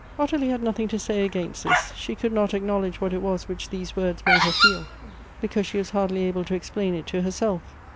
Ottilie had nothing to say against this ; she could not acknowledge what it was which these words made her feel, because she was hardly able to explain it to herself.